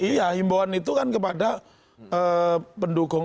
iya imbauan itu kan kepada pendukung dua